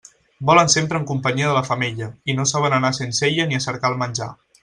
Volen sempre en companyia de la femella, i no saben anar sense ella ni a cercar el menjar.